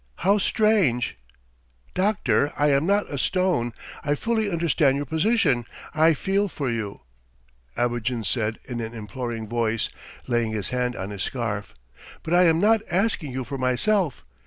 "How strange!" "Doctor, I am not a stone, I fully understand your position ... I feel for you," Abogin said in an imploring voice, laying his hand on his scarf. "But I am not asking you for myself.